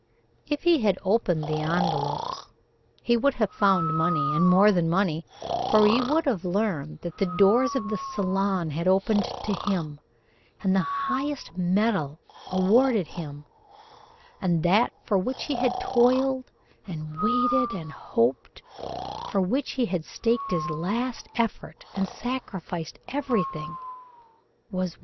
If he had opened the envelopes, he would have found money, and more than money, for he would have learned that the doors of the Salon had opened to him and the highest medal awarded him, and that for which he had toiled and waited and hoped, for which he had staked his last effort and sacrificed everything, was won.